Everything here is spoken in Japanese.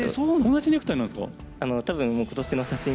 同じネクタイなんですか？